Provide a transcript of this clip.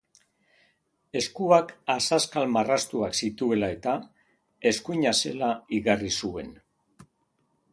Eskuak azazkal marraztuak zituela-eta, eskuina zela igarri zuen